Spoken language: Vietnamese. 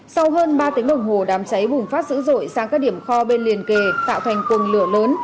sau hơn ba tiếng đồng hồ đám cháy bùng phát sữ rội sang các điểm kho bên liền kề tạo thành cùng lửa lớn